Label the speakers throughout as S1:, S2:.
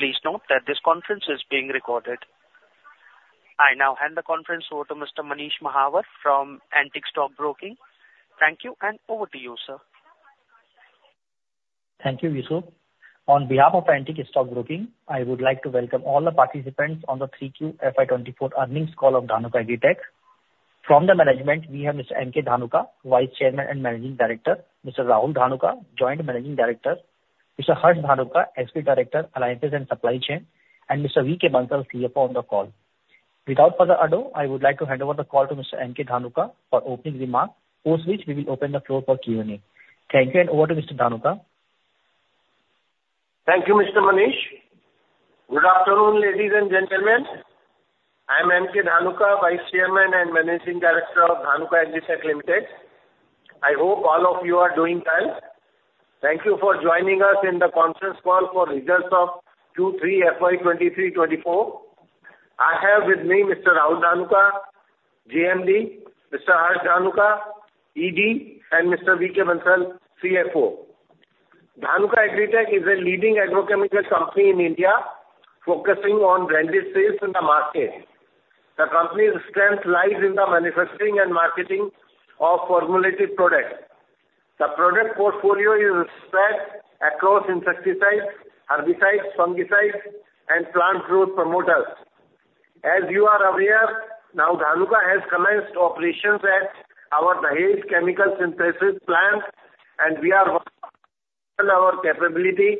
S1: Please note that this conference is being recorded. I now hand the conference over to Mr. Manish Mahawar from Antique Stock Broking. Thank you, and over to you, sir.
S2: Thank you, Vishnu. On behalf of Antique Stock Broking, I would like to welcome all the participants on the Q3 FY 2024 earnings call of Dhanuka Agritech. From the management, we have Mr. M.K. Dhanuka, Vice Chairman and Managing Director, Mr. Rahul Dhanuka, Joint Managing Director, Mr. Harsh Dhanuka, Executive Director, Alliance and Supply Chain, and Mr. V.K. Bansal, CFO, on the call. Without further ado, I would like to hand over the call to Mr. M.K. Dhanuka for opening remarks, after which we will open the floor for Q&A. Thank you, and over to Mr. Dhanuka.
S3: Thank you, Mr. Manish. Good afternoon, ladies and gentlemen. I am M.K. Dhanuka, Vice Chairman and Managing Director of Dhanuka Agritech Limited. I hope all of you are doing well. Thank you for joining us in the conference call for results of Q3 FY 2023-24. I have with me Mr. Rahul Dhanuka, JMD, Mr. Harsh Dhanuka, ED, and Mr. V.K. Bansal, CFO. Dhanuka Agritech is a leading agrochemical company in India, focusing on value sales in the market. The company's strength lies in the manufacturing and marketing of formulated products. The product portfolio is spread across insecticides, herbicides, fungicides, and plant growth promoters. As you are aware, now, Dhanuka has commenced operations at our Dahej chemical synthesis plant, and we are working on our capability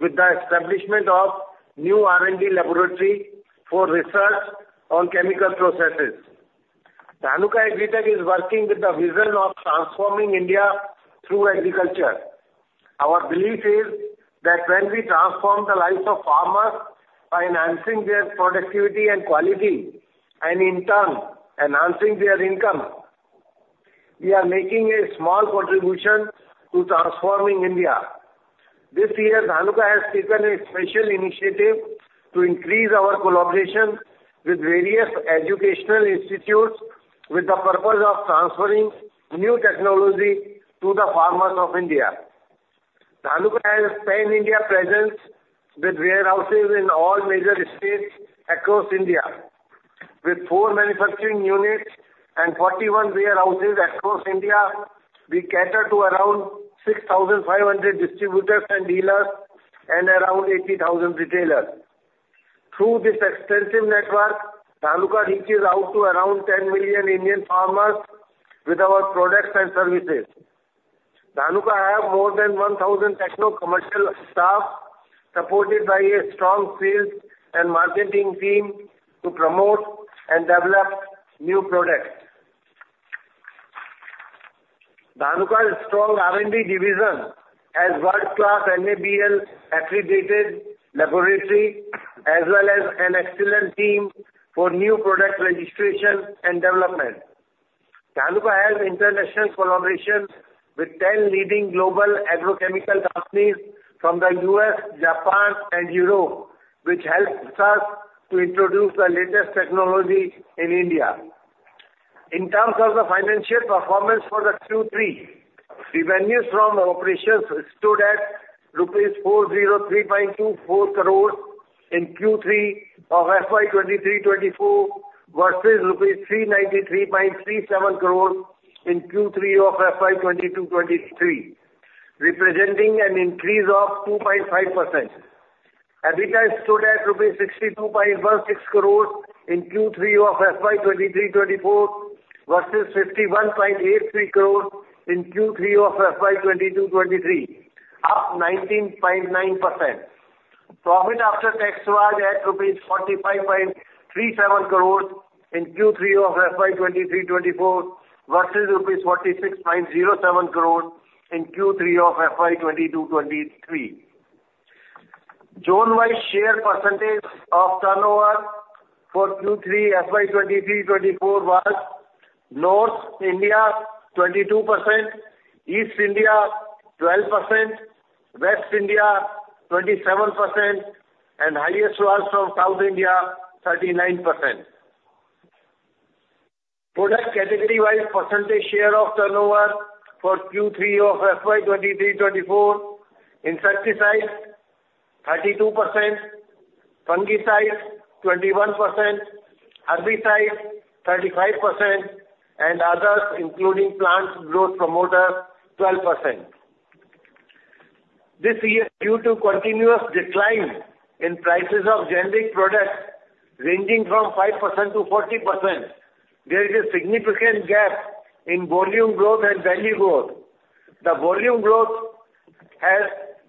S3: with the establishment of new R&D laboratory for research on chemical processes. Dhanuka Agritech is working with the vision of transforming India through agriculture. Our belief is that when we transform the lives of farmers by enhancing their productivity and quality, and in turn enhancing their income, we are making a small contribution to transforming India. This year, Dhanuka has taken a special initiative to increase our collaboration with various educational institutes, with the purpose of transferring new technology to the farmers of India. Dhanuka has pan-India presence, with warehouses in all major states across India. With 4 manufacturing units and 41 warehouses across India, we cater to around 6,500 distributors and dealers and around 80,000 retailers. Through this extensive network, Dhanuka reaches out to around 10 million Indian farmers with our products and services. Dhanuka have more than 1,000 techno commercial staff, supported by a strong sales and marketing team to promote and develop new products. Dhanuka's strong R&D division has world-class NABL-accredited laboratory, as well as an excellent team for new product registration and development. Dhanuka has international collaborations with 10 leading global agrochemical companies from the U.S., Japan, and Europe, which helps us to introduce the latest technology in India. In terms of the financial performance for the Q3, the revenues from operations stood at INR 403.24 crore in Q3 of FY 2023-24, versus rupees 393.37 crore in Q3 of FY 2022-23, representing an increase of 2.5%. EBITDA stood at INR 62.16 crore in Q3 of FY 2023-24, versus 51.83 crore in Q3 of FY 2022-23, up 19.9%. Profit after tax was at INR 45.37 crores in Q3 of FY 2023-24, versus INR 46.07 crores in Q3 of FY 2022-23. Zone-wise share percentage of turnover for Q3 FY 2023-24 was North India, 22%; East India, 12%; West India, 27%; and highest was from South India, 39%. Product category-wise percentage share of turnover for Q3 of FY 2023-24: insecticides, 32%; fungicides, 21%; herbicides, 35%; and others, including plant growth promoter, 12%. This year, due to continuous decline in prices of generic products ranging from 5%-40%, there is a significant gap in volume growth and value growth. The volume growth has...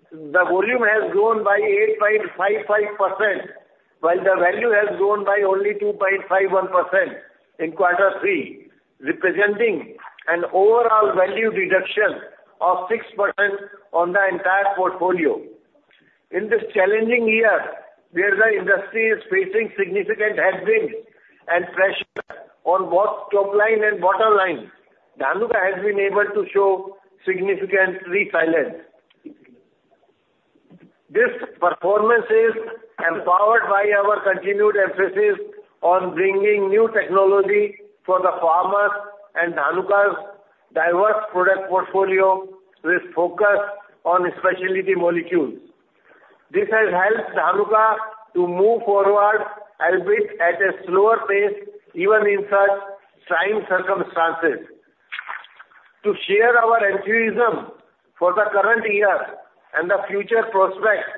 S3: The volume has grown by 8.55%, while the value has grown by only 2.51% in quarter three, representing an overall value reduction of 6% on the entire portfolio. In this challenging year, where the industry is facing significant headwinds and pressure on both top line and bottom line, Dhanuka has been able to show significant resilience. This performance is empowered by our continued emphasis on bringing new technology for the farmers and Dhanuka's strong, diverse product portfolio with focus on specialty molecules. This has helped Dhanuka to move forward, albeit at a slower pace, even in such trying circumstances. To share our enthusiasm for the current year and the future prospects,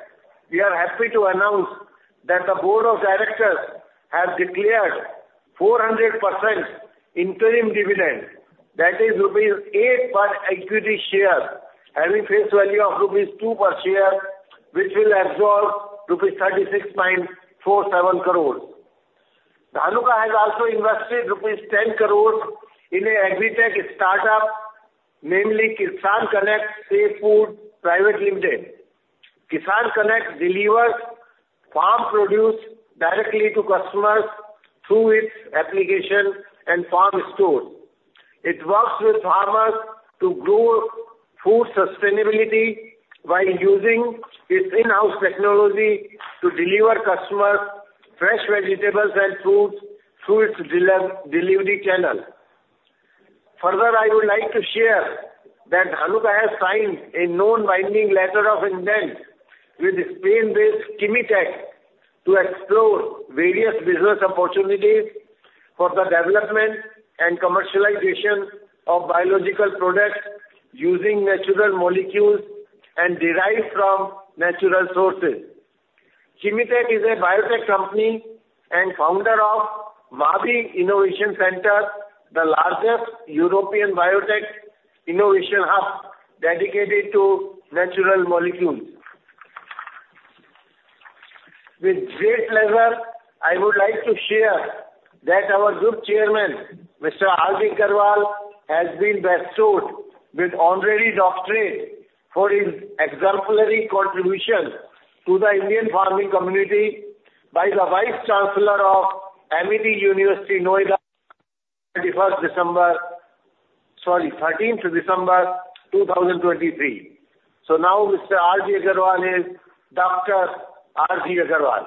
S3: we are happy to announce that the board of directors has declared 400% interim dividend. That is rupees 8 per equity share, having face value of rupees 2 per share, which will absorb rupees 36.47 crores. Dhanuka has also invested rupees 10 crores in an agritech startup, namely, KisanKonnect Safe Food Private Limited. KisanKonnect delivers farm produce directly to customers through its application and farm stores. It works with farmers to grow food sustainability by using its in-house technology to deliver customers fresh vegetables and fruits through its delivery channel. Further, I would like to share that Dhanuka has signed a non-binding letter of intent with Spain-based Kimitec, to explore various business opportunities for the development and commercialization of biological products using natural molecules and derived from natural sources. Kimitec is a biotech company and founder of MAAVi Innovation Center, the largest European biotech innovation hub dedicated to natural molecules. With great pleasure, I would like to share that our group chairman, Mr. R.G. Agarwal, has been bestowed with honorary doctorate for his exemplary contribution to the Indian farming community by the Vice Chancellor of Amity University, Noida, 31st December... Sorry, 13th December, 2023. So now Mr. R.G. Agarwal is Dr. R.G. Agarwal.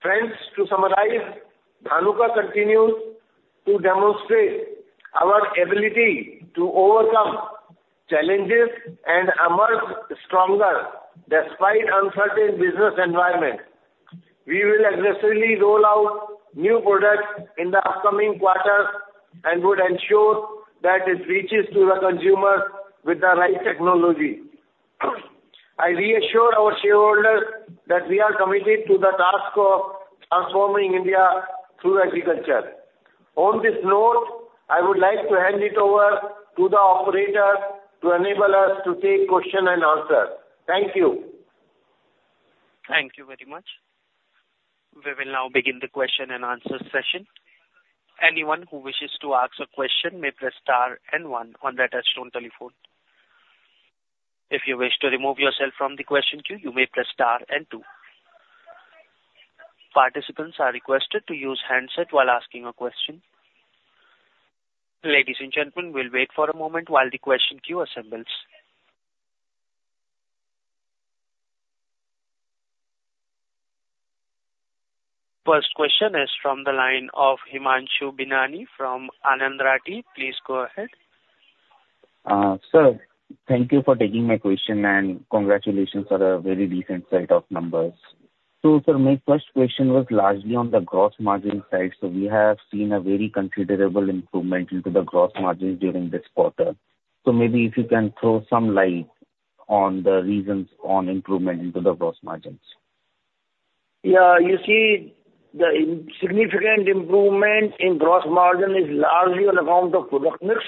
S3: Friends, to summarize, Dhanuka continues to demonstrate our ability to overcome challenges and emerge stronger despite uncertain business environment. We will aggressively roll out new products in the upcoming quarter, and would ensure that it reaches to the consumer with the right technology. I reassure our shareholders that we are committed to the task of transforming India through agriculture. On this note, I would like to hand it over to the operator to enable us to take question and answer. Thank you.
S1: Thank you very much. We will now begin the question and answer session. Anyone who wishes to ask a question may press star and one on their touchtone telephone. If you wish to remove yourself from the question queue, you may press star and two. Participants are requested to use handset while asking a question. Ladies and gentlemen, we'll wait for a moment while the question queue assembles. First question is from the line of Himanshu Binani from Anand Rathi. Please go ahead.
S4: Sir, thank you for taking my question, and congratulations on a very decent set of numbers. So sir, my first question was largely on the gross margin side. So we have seen a very considerable improvement into the gross margin during this quarter. So maybe if you can throw some light on the reasons on improvement into the gross margins.
S3: Yeah, you see, the significant improvement in gross margin is largely on account of product mix.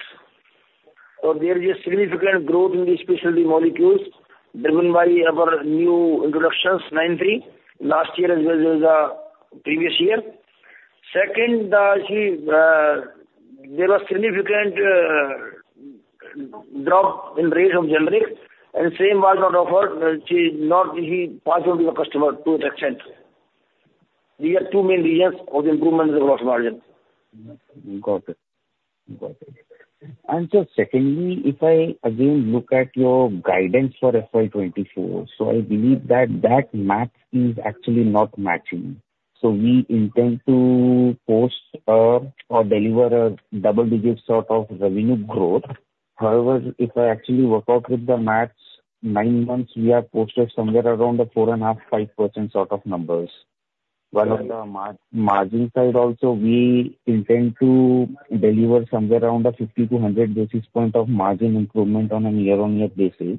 S3: So there is a significant growth in the specialty molecules driven by our new introductions, 9(3), last year as well as the previous year. Second, see, there was significant drop in rates of generic, and same was not offered, see, not passed on to the customer to that extent. These are two main reasons for the improvement in the gross margin.
S4: Got it. Got it. Secondly, if I again look at your guidance for FY 2024, I believe that that math is actually not matching. So we intend to post or deliver a double-digit sort of revenue growth. However, if I actually work out with the math, nine months, we have posted somewhere around a 4.5-5% sort of numbers. While on the margin side also, we intend to deliver somewhere around a 50-100 basis points of margin improvement on a year-on-year basis.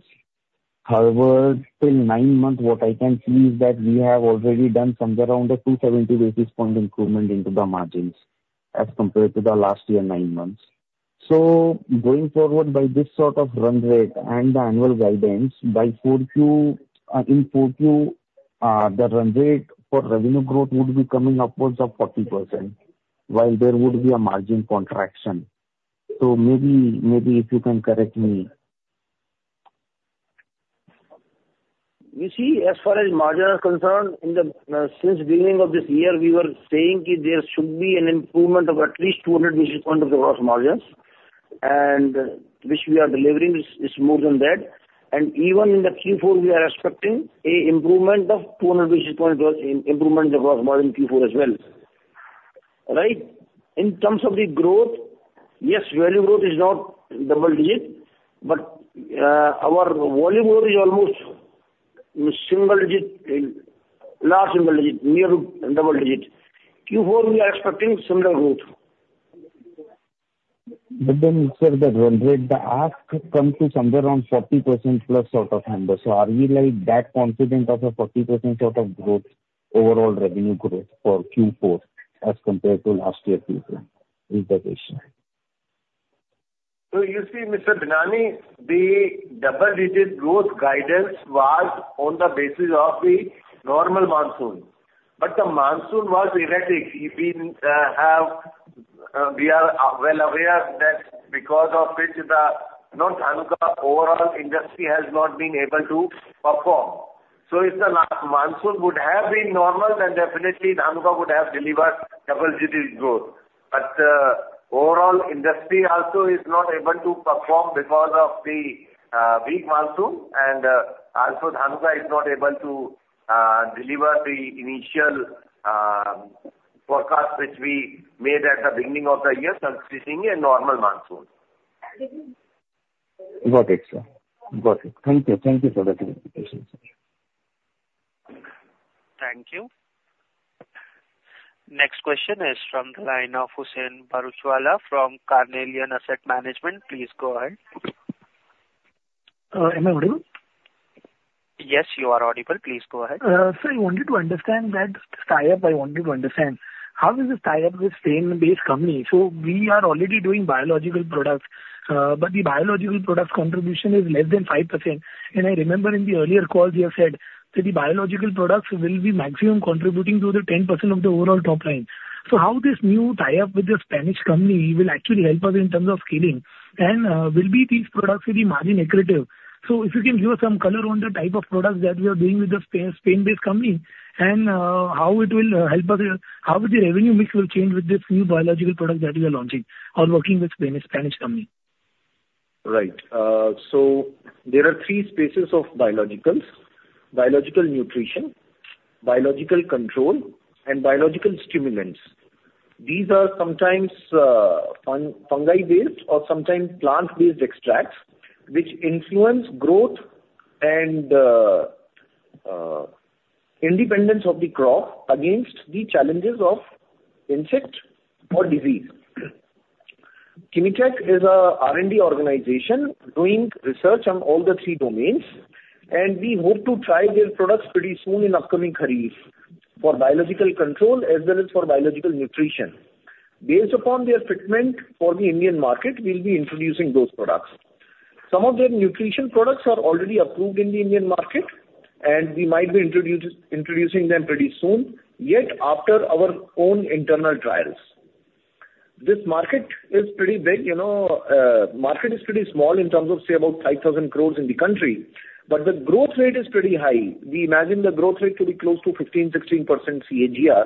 S4: However, till nine months, what I can see is that we have already done somewhere around a 270 basis points improvement into the margins as compared to the last year nine months. So going forward, by this sort of run rate and the annual guidance by 4Q, in 4Q, the run rate for revenue growth would be coming upwards of 40%, while there would be a margin contraction. So maybe, maybe if you can correct me.
S3: You see, as far as margin is concerned, in the since beginning of this year, we were saying that there should be an improvement of at least 200 basis points of the gross margins, and which we are delivering, it's, it's more than that. ...And even in the Q4, we are expecting a improvement of 200 basis point, improvement across margin Q4 as well. Right? In terms of the growth, yes, value growth is not double digit, but, our volume growth is almost single digit, in large single digit, near double digit. Q4, we are expecting similar growth.
S4: But then, sir, the run rate, the ask comes to somewhere around 40%+ out of amber. So are we, like, that confident of a 40% sort of growth, overall revenue growth for Q4 as compared to last year's Q4, is the question?
S5: So you see, Mr. Binani, the double-digit growth guidance was on the basis of the normal monsoon. But the monsoon was erratic. We have, we are well aware that because of which the, not Dhanuka, overall industry has not been able to perform. So if the monsoon would have been normal, then definitely Dhanuka would have delivered double-digit growth. But overall industry also is not able to perform because of the weak monsoon, and also Dhanuka is not able to deliver the initial forecast which we made at the beginning of the year, anticipating a normal monsoon.
S4: Got it, sir. Got it. Thank you. Thank you for the clarification.
S1: Thank you. Next question is from the line of Huseain Bharuchwala from Carnelian Asset Management. Please go ahead.
S6: Am I audible?
S1: Yes, you are audible. Please go ahead.
S6: Sir, I wanted to understand that tie-up. I wanted to understand how does this tie up with Spain-based company? So we are already doing biological products, but the biological products contribution is less than 5%. And I remember in the earlier calls, you have said that the biological products will be maximum contributing to the 10% of the overall top line. So how this new tie-up with the Spanish company will actually help us in terms of scaling? And, will these products be margin accretive? So if you can give us some color on the type of products that we are doing with the Spain-based company, and, how it will help us, how would the revenue mix change with this new biological product that you are launching or working with Spanish company?
S5: Right. So there are three spaces of biologicals: biological nutrition, biological control, and biological stimulants. These are sometimes fungi-based or sometimes plant-based extracts, which influence growth and independence of the crop against the challenges of insect or disease. Kimitec is a R&D organization doing research on all the three domains, and we hope to try their products pretty soon in upcoming kharif for biological control, as well as for biological nutrition. Based upon their fitment for the Indian market, we'll be introducing those products. Some of their nutrition products are already approved in the Indian market, and we might be introducing them pretty soon, yet after our own internal trials. This market is pretty big, you know. Market is pretty small in terms of, say, about 5,000 crore in the country, but the growth rate is pretty high. We imagine the growth rate to be close to 15%-16% CAGR,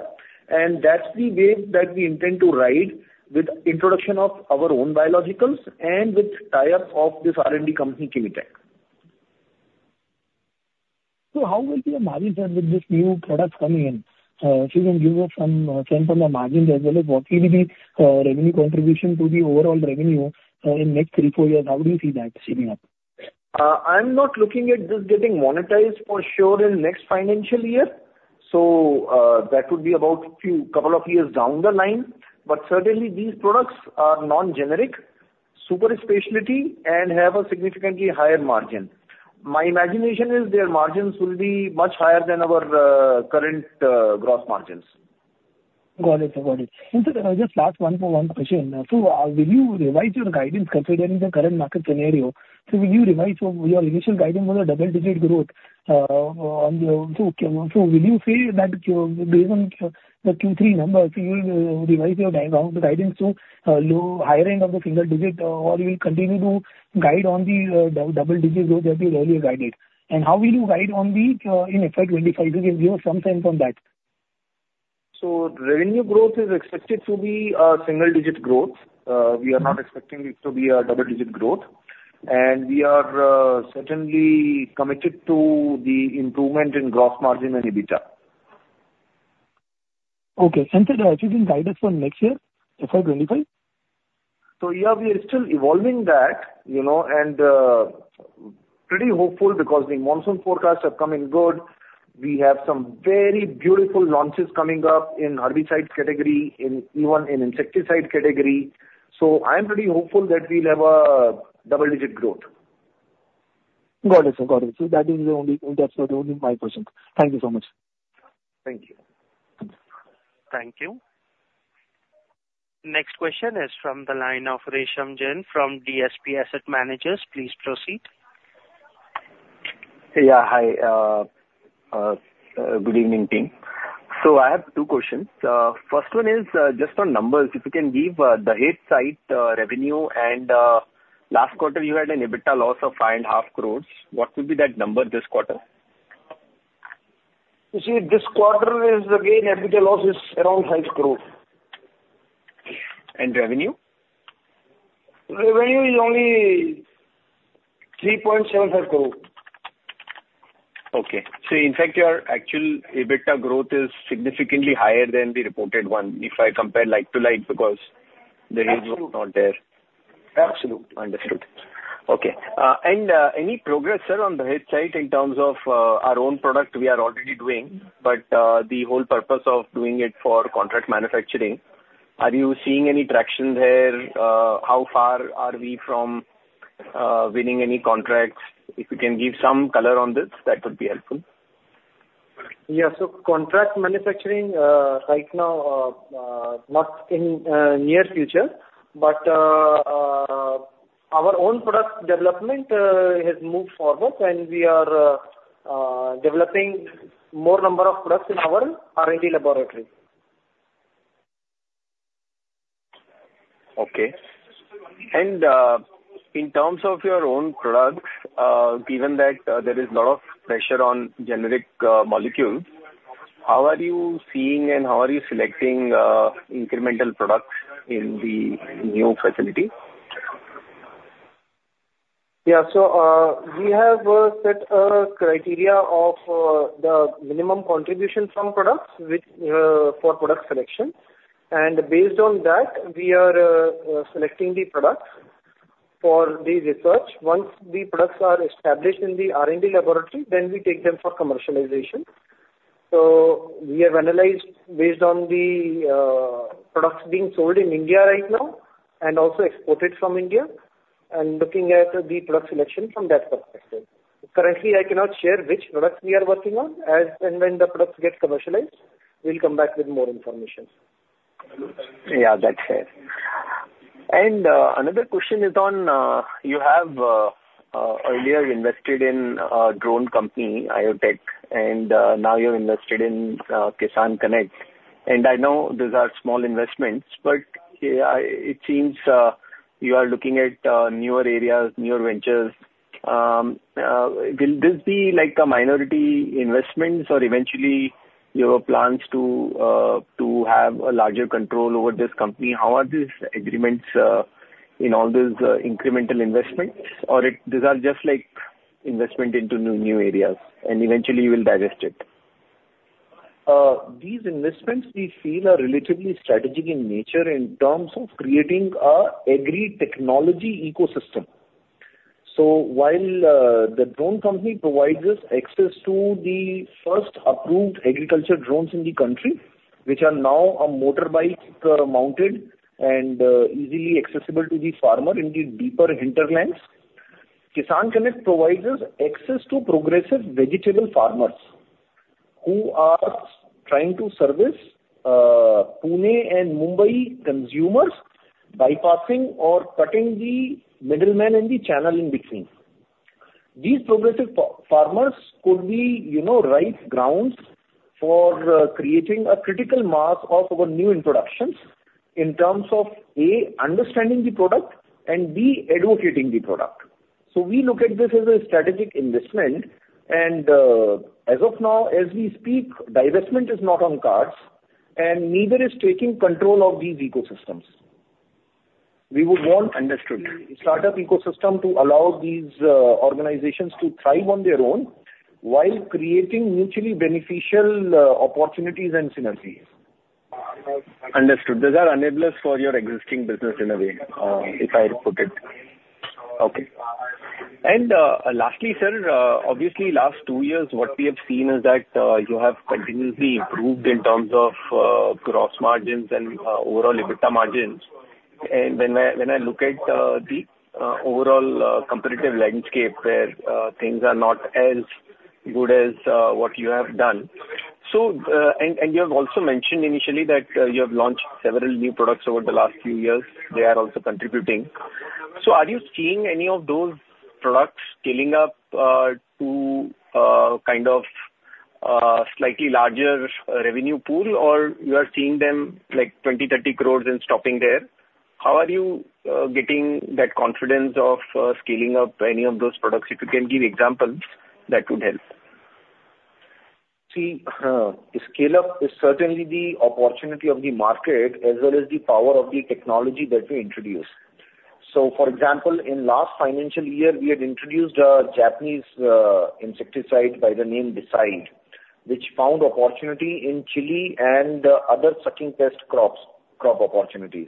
S5: and that's the wave that we intend to ride with introduction of our own biologicals and with tie-up of this R&D company, Kimitec.
S6: So how will be the margin then with this new product coming in? If you can give us some sense on the margins as well as what will be revenue contribution to the overall revenue in next three, four years, how do you see that adding up?
S5: I'm not looking at this getting monetized for sure in next financial year, so, that would be about few, couple of years down the line. But certainly, these products are non-generic, super specialty, and have a significantly higher margin. My imagination is their margins will be much higher than our current gross margins.
S6: Got it. So got it. And sir, just last one more question. So, will you revise your guidance, considering the current market scenario? So will you revise your, your initial guidance was a double-digit growth. So, so will you say that, based on the Q3 numbers, you will revise your guidance to, low, higher end of the single digit, or you will continue to guide on the, double-digit growth that you earlier guided? And how will you guide on the, in FY 25? Can you give some sense on that?
S5: Revenue growth is expected to be a single-digit growth. We are not expecting it to be a double-digit growth. We are certainly committed to the improvement in gross margin and EBITDA.
S6: Okay. Sir, giving guidance for next year, FY 2025?
S5: So, yeah, we are still evolving that, you know, and, pretty hopeful because the monsoon forecasts are coming good. We have some very beautiful launches coming up in herbicides category, in, even in insecticide category. So I'm pretty hopeful that we'll have a double-digit growth.
S6: Got it, sir. Got it. So that is the only, that's only my question. Thank you so much.
S5: Thank you.
S1: Thank you. Next question is from the line of Resham Jain from DSP Asset Managers. Please proceed.
S7: Yeah, hi. Good evening, team. I have two questions. First one is just on numbers. If you can give the Dahej site revenue, and last quarter you had an EBITDA loss of 5.5 crore. What would be that number this quarter?...
S3: You see, this quarter is again, EBITDA loss is around 5 crore.
S7: And revenue?
S3: Revenue is only INR 3.75 crore.
S7: Okay. In fact, your actual EBITDA growth is significantly higher than the reported one, if I compare like-for-like, because the revenue is not there.
S3: Absolutely.
S7: Understood. Okay. And any progress, sir, on the Dahej side in terms of our own product we are already doing, but the whole purpose of doing it for contract manufacturing, are you seeing any traction there? How far are we from winning any contracts? If you can give some color on this, that would be helpful.
S3: Yeah. So, contract manufacturing right now, not in near future, but our own product development has moved forward, and we are developing more number of products in our R&D laboratory.
S7: Okay. In terms of your own products, given that there is a lot of pressure on generic molecules, how are you seeing and how are you selecting incremental products in the new facility?
S3: Yeah. So, we have set a criteria of the minimum contribution from products which for product selection. And based on that, we are selecting the products for the research. Once the products are established in the R&D laboratory, then we take them for commercialization. So we have analyzed based on the products being sold in India right now and also exported from India, and looking at the product selection from that perspective. Currently, I cannot share which products we are working on. As and when the products get commercialized, we'll come back with more information.
S7: Yeah, that's fair. And another question is on you have earlier invested in a drone company, IoTech, and now you're invested in KisanKonnect. And I know these are small investments, but it seems you are looking at newer areas, newer ventures. Will this be like a minority investments, or eventually you have plans to to have a larger control over this company? How are these agreements in all these incremental investments, or these are just like investment into new, new areas and eventually you will divest it?
S3: These investments we feel are relatively strategic in nature in terms of creating a agri-technology ecosystem. So while, the drone company provides us access to the first approved agriculture drones in the country, which are now a motorbike, mounted and, easily accessible to the farmer in the deeper hinterlands, KisanKonnect provides us access to progressive vegetable farmers who are trying to service, Pune and Mumbai consumers, bypassing or cutting the middleman and the channel in between. These progressive farmers could be, you know, right grounds for, creating a critical mass of our new introductions in terms of, A, understanding the product, and B, advocating the product. So we look at this as a strategic investment, and, as of now, as we speak, divestment is not on cards and neither is taking control of these ecosystems. We would want-
S7: Understood.
S3: startup ecosystem to allow these organizations to thrive on their own while creating mutually beneficial opportunities and synergies.
S7: Understood. Those are enablers for your existing business in a way, if I put it. Okay. And, lastly, sir, obviously, last two years, what we have seen is that, you have continuously improved in terms of, gross margins and, overall EBITDA margins. And when I, when I look at, the, overall, competitive landscape where, things are seen things are not as good as, what you have done. So, and, you have also mentioned initially that, you have launched several new products over the last few years. They are also contributing. So are you seeing any of those products scaling up, to, kind of, slightly larger, revenue pool, or you are seeing them like 20 crore-30 crore and stopping there? How are you getting that confidence of scaling up any of those products? If you can give examples, that would help.
S5: See, the scale-up is certainly the opportunity of the market as well as the power of the technology that we introduce. So for example, in last financial year, we had introduced a Japanese insecticide by the name Decide, which found opportunity in chili and other sucking pest crops, crop opportunities.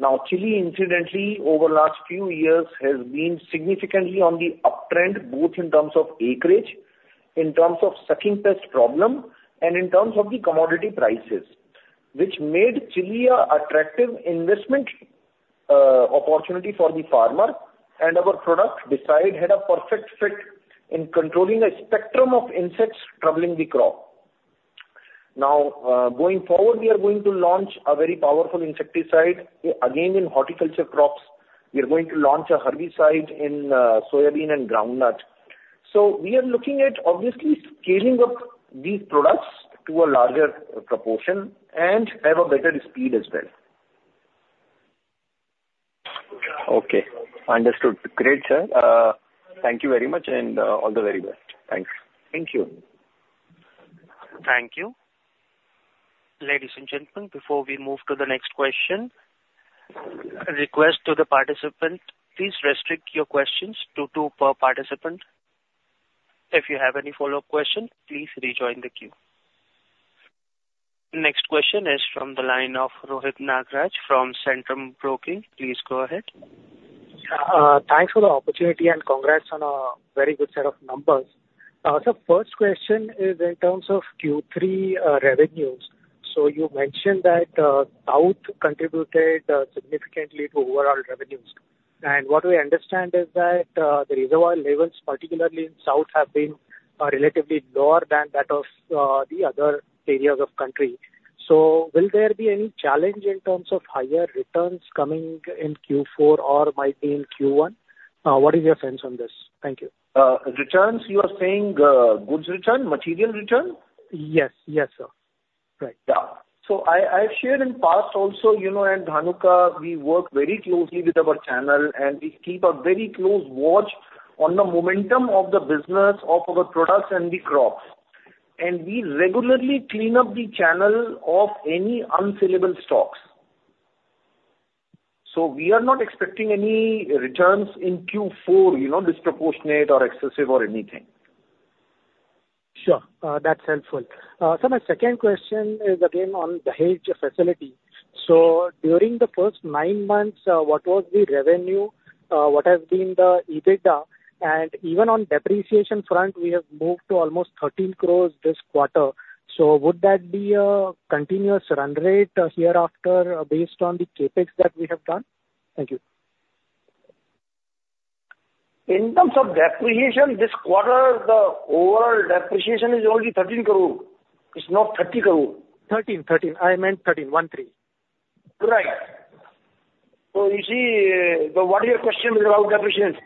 S5: Now, chili incidentally, over the last few years, has been significantly on the uptrend, both in terms of acreage, in terms of sucking pest problem, and in terms of the commodity prices, which made chili an attractive investment, opportunity for the farmer. And our product, Decide, had a perfect fit in controlling a spectrum of insects troubling the crop. Now, going forward, we are going to launch a very powerful insecticide, again, in horticulture crops. We are going to launch a herbicide in soybean and groundnut. We are looking at obviously scaling up these products to a larger proportion and have a better speed as well.
S7: ...Okay, understood. Great, sir. Thank you very much, and all the very best. Thanks.
S5: Thank you.
S1: Thank you. Ladies and gentlemen, before we move to the next question, a request to the participant, please restrict your questions to two per participant. If you have any follow-up questions, please rejoin the queue. Next question is from the line of Rohit Nagraj from Centrum Broking. Please go ahead.
S8: Thanks for the opportunity, and congrats on a very good set of numbers. So first question is in terms of Q3, revenues. So you mentioned that, south contributed, significantly to overall revenues. And what we understand is that, the reservoir levels, particularly in south, have been, relatively lower than that of, the other areas of country. So will there be any challenge in terms of higher returns coming in Q4 or might be in Q1? What is your sense on this? Thank you.
S3: Returns, you are saying, goods return, material return?
S8: Yes. Yes, sir. Right.
S3: Yeah. So I, I've shared in past also, you know, at Dhanuka, we work very closely with our channel, and we keep a very close watch on the momentum of the business, of our products and the crops. We regularly clean up the channel of any unsellable stocks. We are not expecting any returns in Q4, you know, disproportionate or excessive or anything.
S8: Sure. That's helpful. Sir, my second question is again on the Dahej facility. So during the first nine months, what was the revenue, what has been the EBITDA? And even on depreciation front, we have moved to almost 13 crore this quarter. So would that be a continuous run rate hereafter based on the CapEx that we have done? Thank you.
S3: In terms of depreciation, this quarter, the overall depreciation is only 13 crore. It's not 30 crore.
S8: 13, 13. I meant 13, 13.
S5: Right. So you see, so what is your question about depreciation?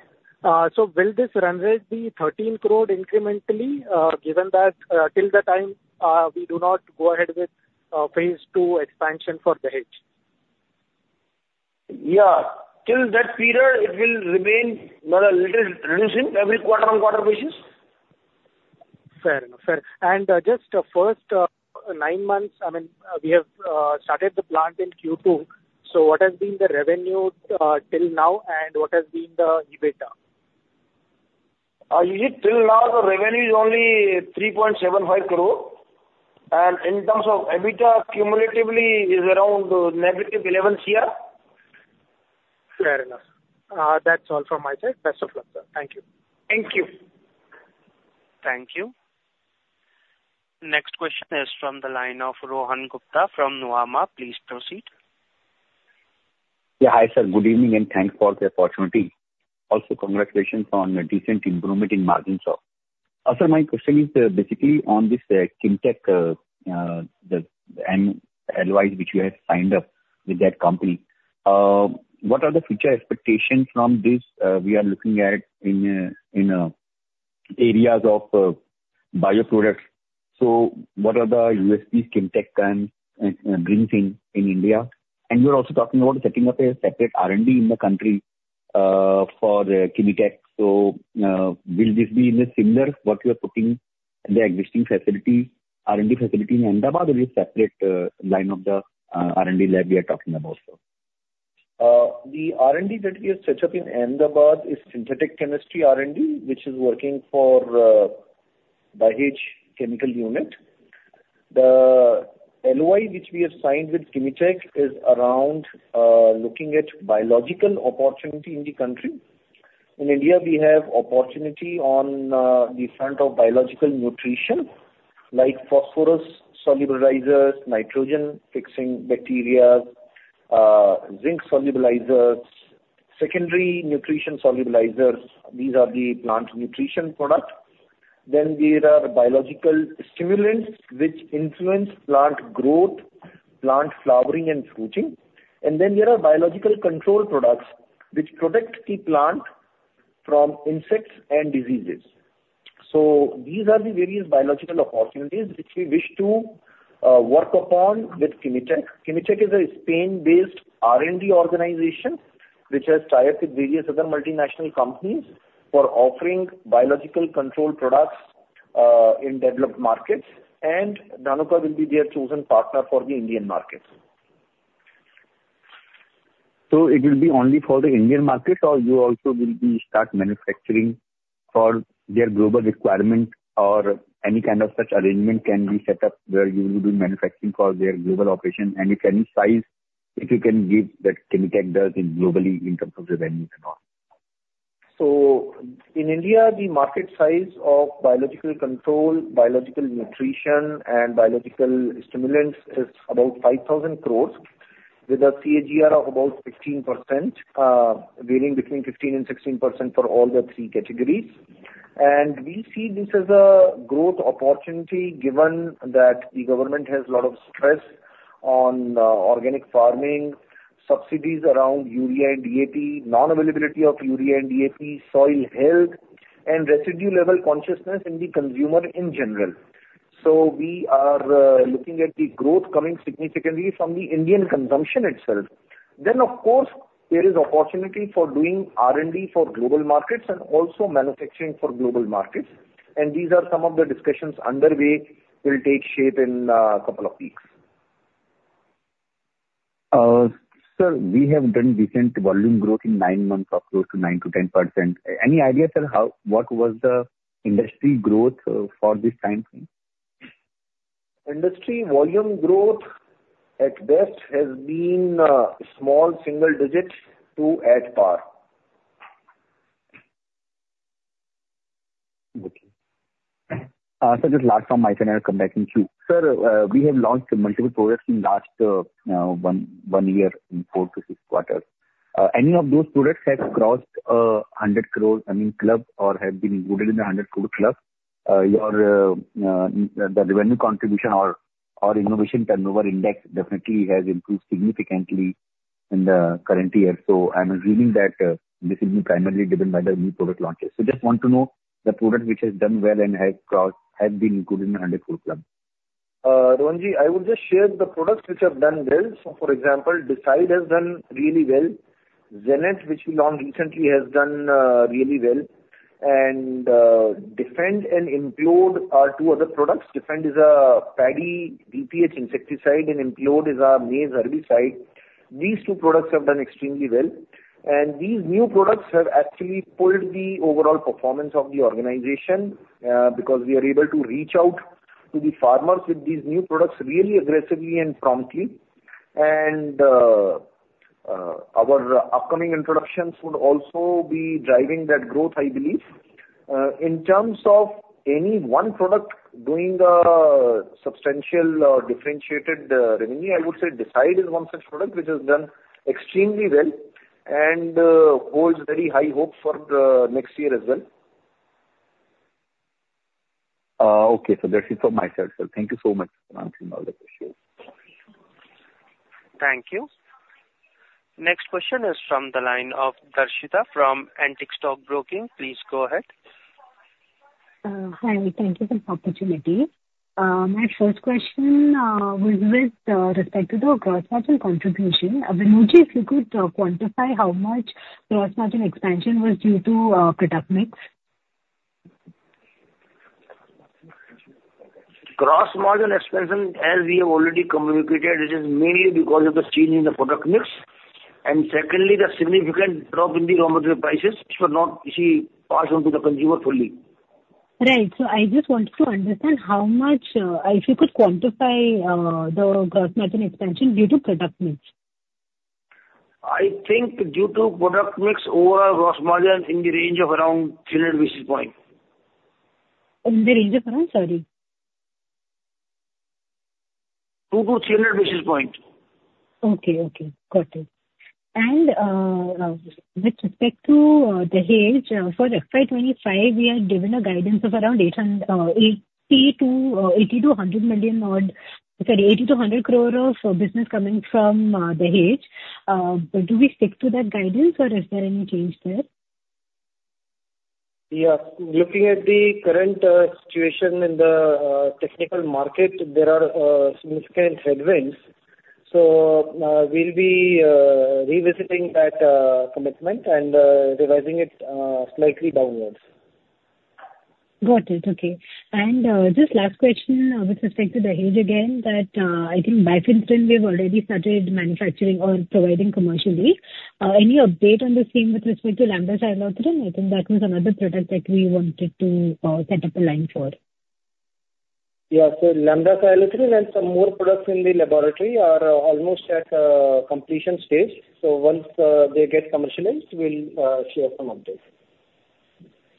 S8: Will this run rate be 13 crore incrementally, given that till the time we do not go ahead with phase II expansion for Dahej?
S3: Yeah. Till that period, it will remain, not a little, reducing every quarter-over-quarter basis.
S8: Fair enough, fair. And just first nine months, I mean, we have started the plant in Q2, so what has been the revenue till now, and what has been the EBITDA?
S3: You see, till now, the revenue is only 3.75 crore, and in terms of EBITDA, cumulatively is around negative 11 crore.
S8: Fair enough. That's all from my side. Best of luck, sir. Thank you.
S3: Thank you.
S1: Thank you. Next question is from the line of Rohan Gupta from Nuvama. Please proceed.
S9: Yeah, hi, sir. Good evening, and thanks for the opportunity. Also, congratulations on the recent improvement in margins. Sir, my question is basically on this Kimitec, the LOI which you have signed up with that company. What are the future expectations from this? We are looking at in areas of bioproducts. So what are the USP Kimitec can bring in in India? And you are also talking about setting up a separate R&D in the country for Kimitec. So, will this be in a similar what you are putting in the existing facility, R&D facility in Ahmedabad, or is it separate line of the R&D lab you are talking about, sir?
S3: The R&D that we have set up in Ahmedabad is synthetic chemistry R&D, which is working for Dahej chemical unit. The LOI, which we have signed with Kimitec, is around looking at biological opportunity in the country. In India, we have opportunity on the front of biological nutrition, like phosphorus solubilizers, nitrogen-fixing bacteria, zinc solubilizers, secondary nutrition solubilizers. These are the plant nutrition product. Then there are biological stimulants, which influence plant growth, plant flowering and fruiting. And then there are biological control products, which protect the plant from insects and diseases. So these are the various biological opportunities which we wish to work upon with Kimitec. Kimitec is a Spain-based R&D organization which has tied up with various other multinational companies for offering biological control products in developed markets, and Dhanuka will be their chosen partner for the Indian market.
S9: So it will be only for the Indian market, or you also will be start manufacturing for their global requirement or any kind of such arrangement can be set up where you will be manufacturing for their global operation? And if any size, if you can give that Kimitec does globally in terms of revenues and all.
S3: In India, the market size of biological control, biological nutrition, and biological stimulants is about 5,000 crore, with a CAGR of about 15%, varying between 15%-16% for all the three categories. We see this as a growth opportunity, given that the government has a lot of stress on organic farming, subsidies around urea and DAP, non-availability of urea and DAP, soil health, and residue level consciousness in the consumer in general.... We are looking at the growth coming significantly from the Indian consumption itself. Then, of course, there is opportunity for doing R&D for global markets and also manufacturing for global markets, and these are some of the discussions underway, will take shape in a couple of weeks.
S9: Sir, we have done decent volume growth in nine months of close to 9%-10%. Any idea, sir, how, what was the industry growth for this time frame?
S3: Industry volume growth at best has been small single digits to at par.
S9: Okay. Sir, just last from my side, and I'll come back in queue. Sir, we have launched multiple products in last 1 year, in 4-6 quarters. Any of those products have crossed 100 crore, I mean, club, or have been included in the 100 crore club? Your revenue contribution or innovation turnover index definitely has improved significantly in the current year. So I'm assuming that this has been primarily driven by the new product launches. So just want to know the product which has done well and has crossed, has been included in the 100 crore club.
S3: Rohan, I would just share the products which have done well. So for example, Decide has done really well. Zanet, which we launched recently, has done really well. And Defend and Implode are two other products. Defend is a paddy BPH insecticide, and Implode is our maize herbicide. These two products have done extremely well. And these new products have actually pulled the overall performance of the organization, because we are able to reach out to the farmers with these new products really aggressively and promptly. And our upcoming introductions would also be driving that growth, I believe. In terms of any one product doing substantial or differentiated revenue, I would say Decide is one such product which has done extremely well and holds very high hope for the next year as well.
S9: Okay, so that's it from my side, sir. Thank you so much for answering all the questions.
S1: Thank you. Next question is from the line of Darshita from Antique Stock Broking. Please go ahead.
S10: Hi, thank you for the opportunity. My first question was with respect to the gross margin contribution. Vinoji, if you could quantify how much gross margin expansion was due to product mix?
S3: Gross margin expansion, as we have already communicated, it is mainly because of the change in the product mix, and secondly, the significant drop in the raw material prices, which were not passed on to the consumer fully.
S10: Right. I just wanted to understand how much, if you could quantify, the gross margin expansion due to product mix?
S3: I think due to product mix, overall gross margin in the range of around 300 basis points.
S10: In the range of how, sorry?
S3: 200-300 basis points.
S10: Okay, okay. Got it. And, with respect to, Dahej, for FY 2025, we had given a guidance of around 80-100 million odd, sorry, 80-100 crore of business coming from, Dahej. But do we stick to that guidance, or is there any change there?
S3: Yeah. Looking at the current situation in the technical market, there are significant headwinds. So, we'll be revisiting that commitment and revising it slightly downwards.
S10: Got it. Okay. Just last question with respect to Dahej again, that, I think bifenthrin we've already started manufacturing or providing commercially. Any update on the same with respect to lambda-cyhalothrin? I think that was another product that we wanted to set up a line for.
S3: Yeah. So lambda-cyhalothrin and some more products in the laboratory are almost at completion stage. So once they get commercialized, we'll share some updates.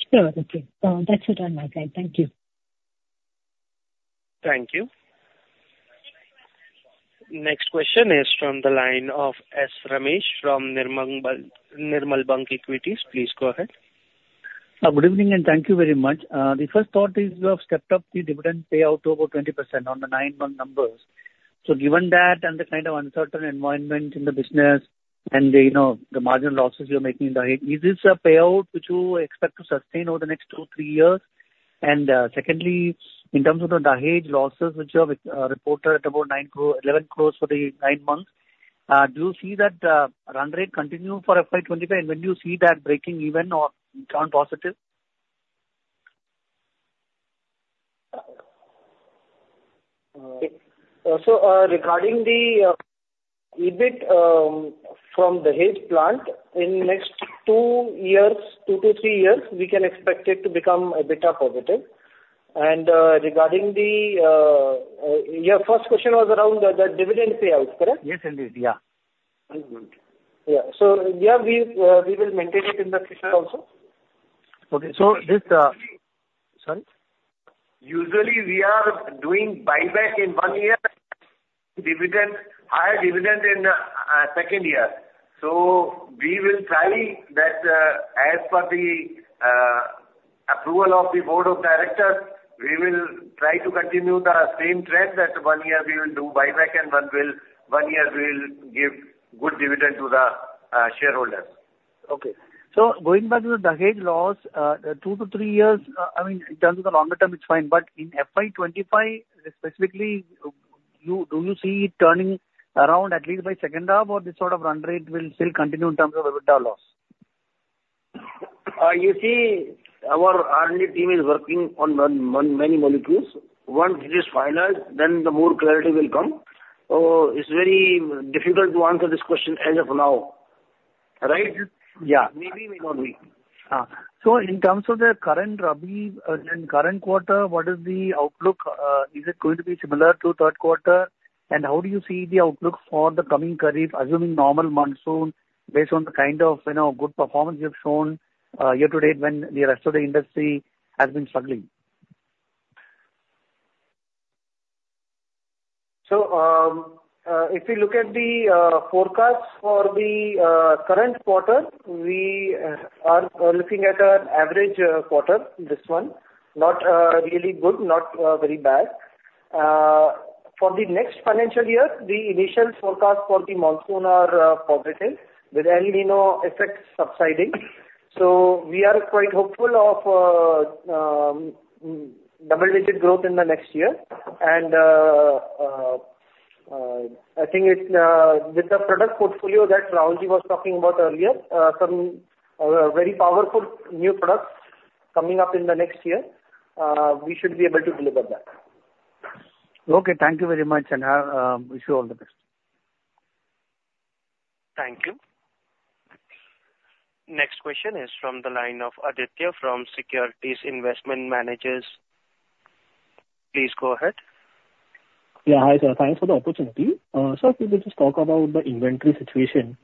S10: Sure. Okay. That's it on my side. Thank you.
S1: Thank you. Next question is from the line of S. Ramesh from Nirmal Bang Equities. Please go ahead.
S11: Good evening, and thank you very much. The first thought is you have stepped up the dividend payout to about 20% on the nine-month numbers. So given that and the kind of uncertain environment in the business and the, you know, the margin losses you're making in Dahej, is this a payout which you expect to sustain over the next 2-3 years? And, secondly, in terms of the Dahej losses, which are reported at about 9 crore-11 crore for the nine months, do you see that run rate continue for FY 2025? And when do you see that breaking even or turn positive?
S3: So, regarding the EBIT from Dahej plant, in next 2 years, 2-3 years, we can expect it to become a better positive. Your first question was around the dividend payout, correct?
S11: Yes, indeed. Yeah.
S3: Mm-hmm. Yeah. So, yeah, we, we will maintain it in the future also.
S11: Okay. So this, Sorry?
S3: Usually, we are doing buyback in one year, dividend, high dividend in second year. So we will try that, as per the approval of the board of directors, we will try to continue the same trend, that one year we will do buyback and one year we'll give good dividend to the shareholders....
S11: Okay. So going back to the decade loss, two to three years, I mean, in terms of the longer term, it's fine, but in FY 2025, specifically, you- do you see it turning around at least by second half, or this sort of run rate will still continue in terms of EBITDA loss?
S3: You see, our R&D team is working on many molecules. Once it is finalized, then the more clarity will come. So it's very difficult to answer this question as of now, right?
S11: Yeah.
S3: Maybe, may not be.
S11: So in terms of the current Rabi, in current quarter, what is the outlook? Is it going to be similar to third quarter? And how do you see the outlook for the coming Kharif, assuming normal monsoon, based on the kind of, you know, good performance you've shown, year to date when the rest of the industry has been struggling?
S3: So, if you look at the forecast for the current quarter, we are looking at an average quarter, this one. Not really good, not very bad. For the next financial year, the initial forecast for the monsoon are positive, with El Niño effect subsiding. So we are quite hopeful of double-digit growth in the next year. And I think it's with the product portfolio that Rahulji was talking about earlier, some very powerful new products coming up in the next year, we should be able to deliver that.
S11: Okay, thank you very much, and I wish you all the best.
S1: Thank you. Next question is from the line of Aditya from Securities Investment Managers. Please go ahead.
S12: Yeah. Hi, sir. Thanks for the opportunity. Sir, could you just talk about the inventory situation?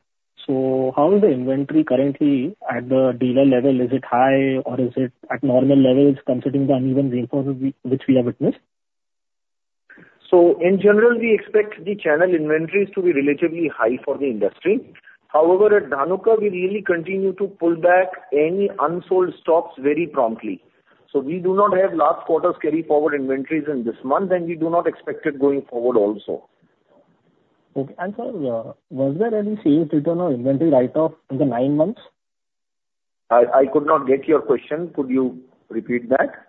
S12: So how is the inventory currently at the dealer level? Is it high or is it at normal levels, considering the uneven rainfall which we have witnessed?
S3: In general, we expect the channel inventories to be relatively high for the industry. However, at Dhanuka, we really continue to pull back any unsold stocks very promptly. We do not have last quarter's carry forward inventories in this month, and we do not expect it going forward also.
S12: Okay. Sir, was there any sales return or inventory write-off in the nine months?
S3: I could not get your question. Could you repeat that?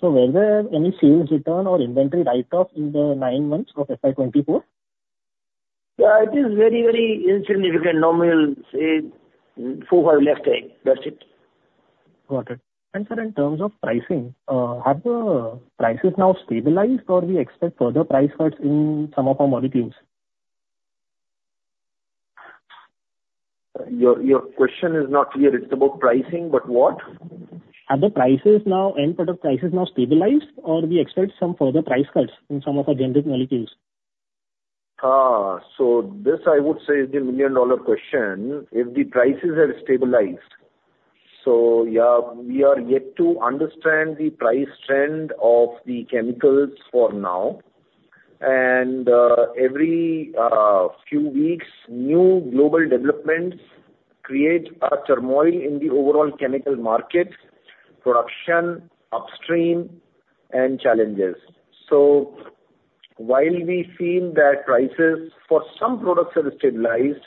S12: Were there any sales return or inventory write-off in the nine months of FY 2024?
S3: Yeah, it is very, very insignificant. Normally, we'll say, four, five, less than that. That's it.
S12: Got it. Sir, in terms of pricing, have the prices now stabilized or do you expect further price cuts in some of our molecules?
S3: Your, your question is not clear. It's about pricing, but what?
S12: Are the prices now, end product prices now stabilized or do you expect some further price cuts in some of our generic molecules?
S5: Ah, so this, I would say, is the million-dollar question. If the prices have stabilized. So, yeah, we are yet to understand the price trend of the chemicals for now, and, every few weeks, new global developments create a turmoil in the overall chemical market, production, upstream, and challenges. So while we've seen that prices for some products have stabilized,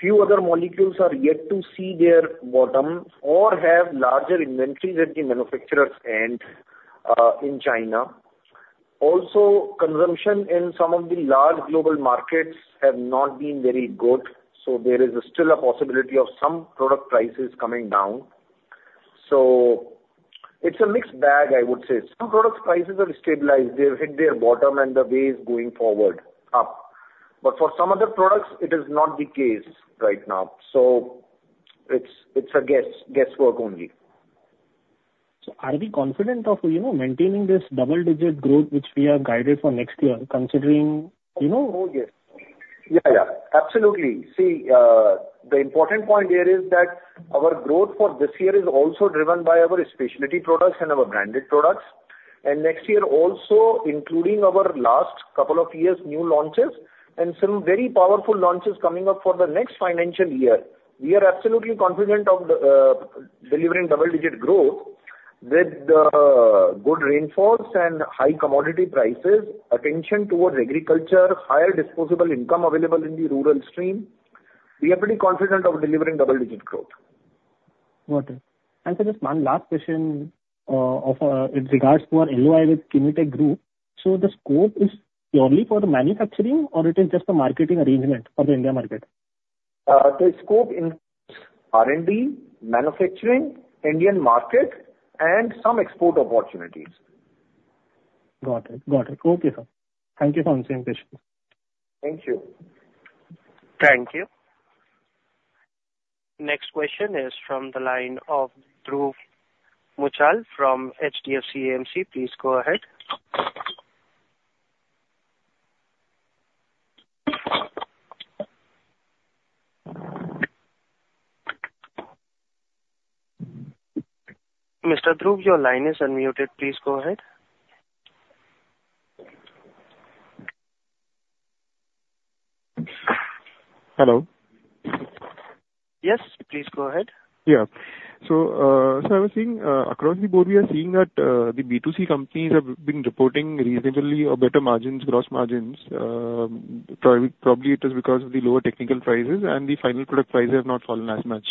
S5: few other molecules are yet to see their bottom or have larger inventories at the manufacturer's end, in China. Also, consumption in some of the large global markets have not been very good, so there is still a possibility of some product prices coming down. So it's a mixed bag, I would say. Some product prices have stabilized. They've hit their bottom and the way is going forward, up. But for some other products, it is not the case right now, so it's guesswork only.
S12: Are we confident of, you know, maintaining this double-digit growth which we have guided for next year, considering, you know-
S5: Oh, yes. Yeah, yeah, absolutely. See, the important point here is that our growth for this year is also driven by our specialty products and our branded products. Next year also, including our last couple of years' new launches and some very powerful launches coming up for the next financial year, we are absolutely confident of the delivering double-digit growth with the good rainfalls and high commodity prices, attention towards agriculture, higher disposable income available in the rural stream. We are pretty confident of delivering double-digit growth.
S12: Got it. And sir, just one last question, in regards to our MOI with Kimitec Group. So the scope is purely for the manufacturing, or it is just a marketing arrangement for the India market?
S5: The scope includes R&D, manufacturing, Indian market, and some export opportunities.
S12: Got it. Got it. Okay, sir. Thank you for answering the question.
S5: Thank you.
S1: Thank you. Next question is from the line of Dhruv Muchhal from HDFC AMC. Please go ahead. Mr. Dhruv, your line is unmuted. Please go ahead.
S13: Hello?
S1: Yes, please go ahead.
S13: Yeah.... So, so I was seeing, across the board, we are seeing that, the B2C companies have been reporting reasonably or better margins, gross margins. Probably it is because of the lower technical prices, and the final product prices have not fallen as much.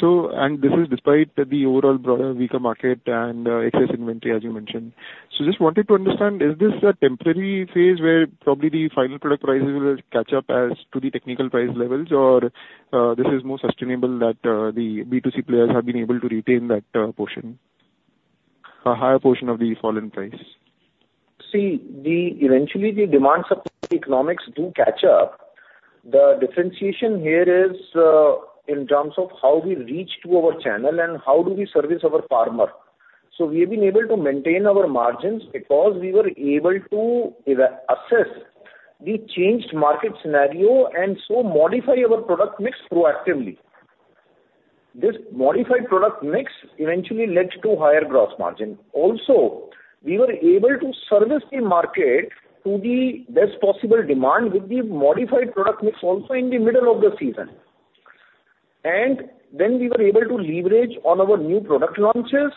S13: And this is despite the overall broader weaker market and, excess inventory, as you mentioned. So just wanted to understand, is this a temporary phase where probably the final product prices will catch up as to the technical price levels? Or, this is more sustainable that, the B2C players have been able to retain that, portion, a higher portion of the fallen price?
S3: See, eventually, the demand supply economics do catch up. The differentiation here is in terms of how we reach to our channel and how do we service our farmer. So we have been able to maintain our margins because we were able to assess the changed market scenario, and so modify our product mix proactively. This modified product mix eventually led to higher gross margin. Also, we were able to service the market to the best possible demand with the modified product mix also in the middle of the season. And then we were able to leverage on our new product launches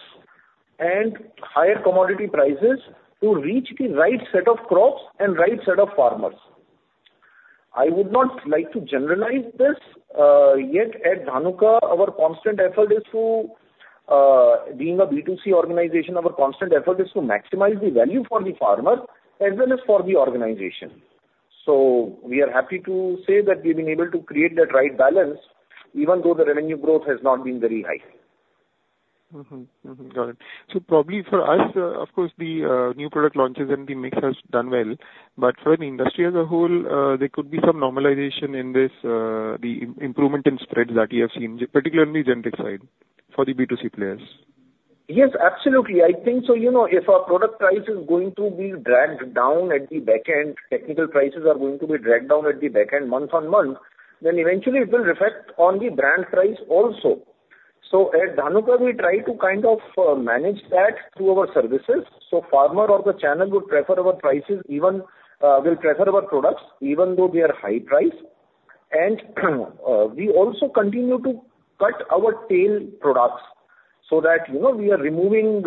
S3: and higher commodity prices to reach the right set of crops and right set of farmers. I would not like to generalize this, yet at Dhanuka, our constant effort is to, being a B2C organization, our constant effort is to maximize the value for the farmer as well as for the organization. So we are happy to say that we've been able to create that right balance, even though the revenue growth has not been very high.
S13: Mm-hmm. Mm-hmm, got it. So probably for us, of course, the new product launches and the mix has done well, but for the industry as a whole, there could be some normalization in this, the improvement in spreads that you have seen, particularly generic side, for the B2C players.
S3: Yes, absolutely. I think so. You know, if our product price is going to be dragged down at the back end, technical prices are going to be dragged down at the back end month on month, then eventually it will reflect on the brand price also. So at Dhanuka, we try to kind of manage that through our services, so farmer or the channel would prefer our prices even, will prefer our products, even though they are high price. And we also continue to cut our tail products so that, you know, we are removing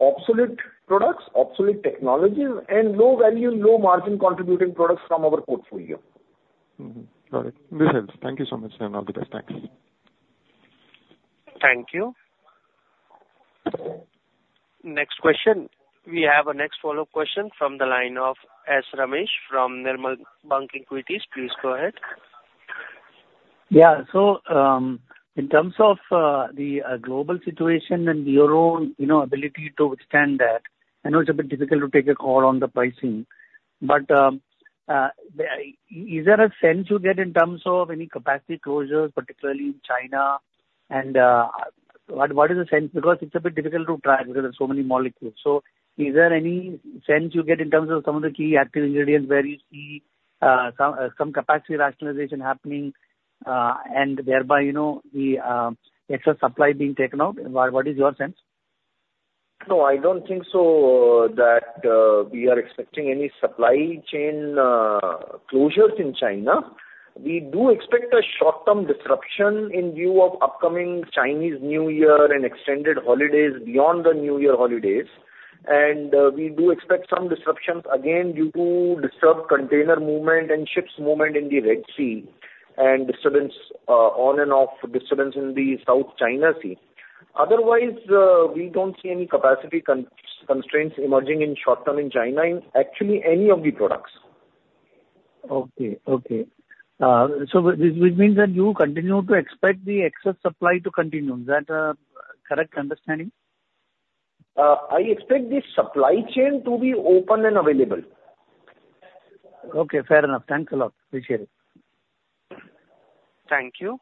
S3: obsolete products, obsolete technologies, and low value, low margin contributing products from our portfolio.
S13: Mm-hmm. Got it. This helps. Thank you so much, and all the best. Thanks.
S1: Thank you. Next question. We have our next follow-up question from the line of S. Ramesh from Nirmal Bang Equities. Please go ahead.
S11: Yeah. So, in terms of the global situation and your own, you know, ability to withstand that, I know it's a bit difficult to take a call on the pricing, but is there a sense you get in terms of any capacity closures, particularly in China? And what is the sense? Because it's a bit difficult to track because there are so many molecules. So is there any sense you get in terms of some of the key active ingredients, where you see some capacity rationalization happening, and thereby, you know, the excess supply being taken out? What is your sense?
S3: No, I don't think so, that we are expecting any supply chain closures in China. We do expect a short-term disruption in view of upcoming Chinese New Year and extended holidays beyond the new year holidays. And, we do expect some disruptions again due to disturbed container movement and ships movement in the Red Sea, and disturbance, on and off disturbance in the South China Sea. Otherwise, we don't see any capacity constraints emerging in short term in China, in actually any of the products.
S13: Okay. Okay. So which means that you continue to expect the excess supply to continue. Is that a correct understanding?
S3: I expect the supply chain to be open and available.
S13: Okay, fair enough. Thanks a lot. Appreciate it.
S1: Thank you.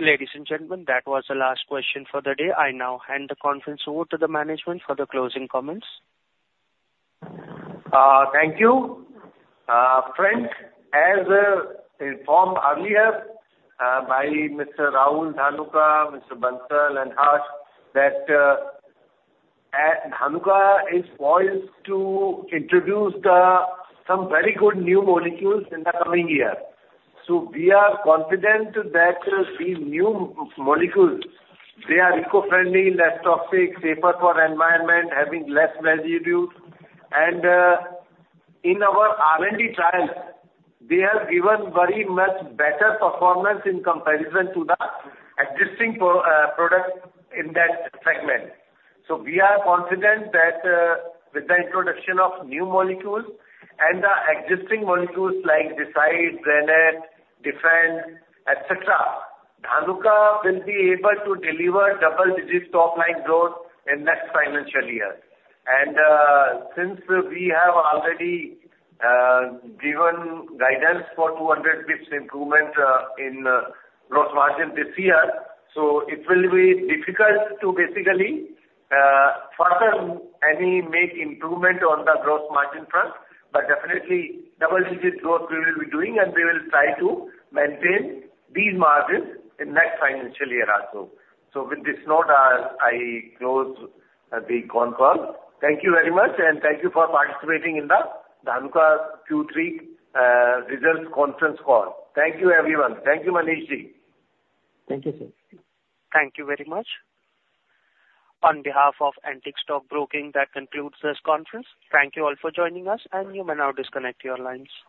S1: Ladies and gentlemen, that was the last question for the day. I now hand the conference over to the management for the closing comments.
S3: Thank you. Friends, as informed earlier by Mr. Rahul Dhanuka, Mr. Bansal, and Harsh, that Dhanuka is poised to introduce some very good new molecules in the coming year. So we are confident that these new molecules, they are eco-friendly, less toxic, safer for environment, having less residues. And in our R&D trials, they have given very much better performance in comparison to the existing products in that segment. So we are confident that with the introduction of new molecules and the existing molecules like Decide, Zanet, Defend, et cetera, Dhanuka will be able to deliver double-digit topline growth in next financial year. Since we have already given guidance for 200 basis points improvement in gross margin this year, so it will be difficult to basically further any make improvement on the gross margin front, but definitely double-digit growth we will be doing, and we will try to maintain these margins in next financial year also. So with this note, I close the con call. Thank you very much, and thank you for participating in the Dhanuka Q3 results conference call. Thank you, everyone. Thank you, Manishji.
S5: Thank you, sir.
S1: Thank you very much. On behalf of Antique Stock Broking, that concludes this conference. Thank you all for joining us, and you may now disconnect your lines.